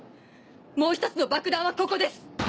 もうひとつの爆弾はここです！